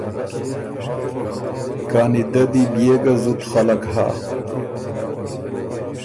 کانی دۀ دی بيې ګه زُت خلق هۀ